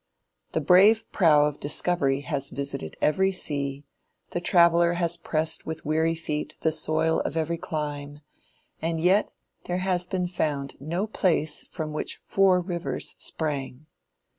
The brave prow of discovery has visited every sea; the traveler has pressed with weary feet the soil of every clime; and yet there has been found no place from which four rivers sprang.